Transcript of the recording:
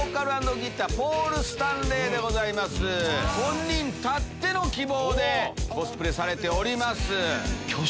本人たっての希望でコスプレされております。